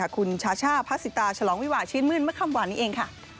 คุณชช่องพลัดสิตาชะล้องวิวาร์ชีวินมืดเมื่อคำวานนี้เอง